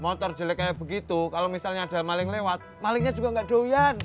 motor jelek kayak begitu kalau misalnya ada maling lewat malingnya juga nggak doyan